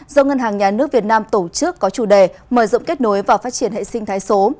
do ngân hàng nhà nước việt nam tổ chức có chủ đề mở rộng kết nối và phát triển hệ sinh thái số